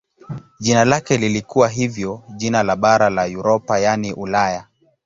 Jina lake lilikuwa hivyo jina la bara la Europa yaani Ulaya.